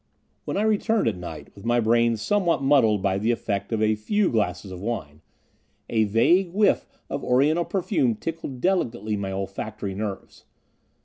When I returned at night, with my brain somewhat muddled by the effects of a few glasses of wine, a vague whiff of oriental perfume tickled delicately my olfactory nerves.